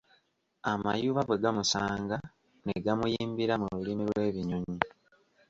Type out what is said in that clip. Amayuba bwe gaamusanga ne gamuyimbira mu lulimi lw'ebinyonyi.